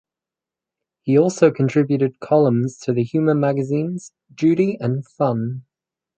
He also contributed columns to the humour magazines "Judy" and "Fun".